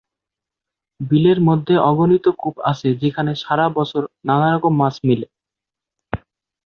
বিলের মধ্যে অগণিত কূপ আছে যেখানে সারা বছর নানারকম মাছ মিলে।